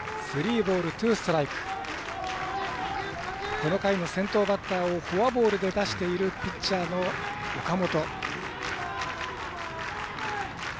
この回も先頭バッターをフォアボールで出しているピッチャーの岡本。